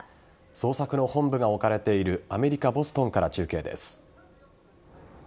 捜索の本部が置かれているアメリカ・ボストンから中継です。